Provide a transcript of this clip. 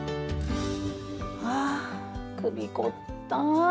あ首凝った。